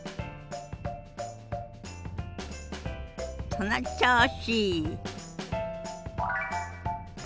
その調子。